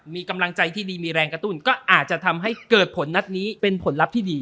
มีกำลังใจที่ดีมีแรงกระตุ้นก็อาจจะทำให้เกิดผลนัดนี้เป็นผลลัพธ์ที่ดี